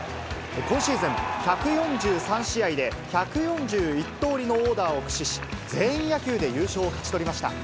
今シーズン１４３試合で１４１通りのオーダーを駆使し、全員野球で優勝を勝ち取りました。